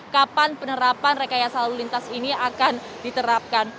kapan penerapan rekayasa lalu lintas ini akan diterapkan